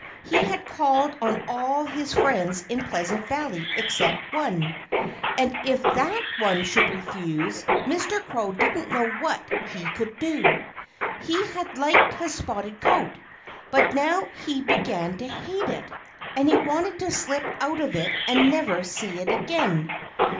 He had called on all his friends in Pleasant Valley except one. And if that one should refuse, Mr. Crow didn't know what he could do. He had liked his spotted coat. But now he began to hate it. And he wanted to slip out of it and never see it again.